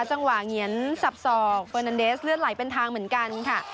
จังหวะเหงียนสับสอกเวอร์นันเดสเลือดไหลเป็นทางเหมือนกันค่ะ